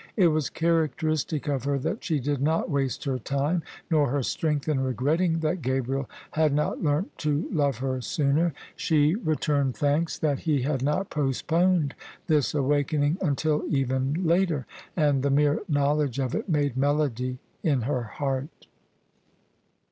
It was characteristic of her that she did not waste her time nor her strength in regretting that Gabriel had not learnt to love her sooner: she returned thanks that he had not postponed this awakening until even later; and the mere knowledge of it made melody in her heart.